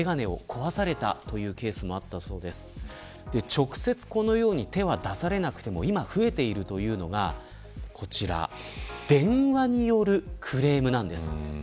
直接このように手は出されなくても今増えているというのがこちら電話によるクレームなんです。